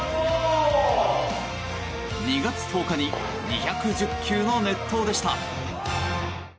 ２月１０日に２１０球の熱投でした。